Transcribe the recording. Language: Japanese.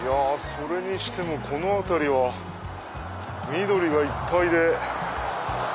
それにしてもこの辺りは緑がいっぱいで。